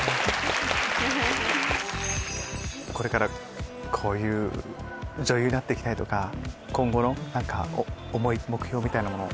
これからこういう女優になって行きたいとか今後の思い目標みたいなもの。